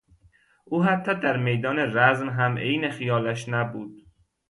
او حتی در میدان رزم هم عین خیالش نبود.